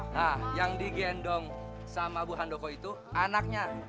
nah yang digendong sama bu handoko itu anaknya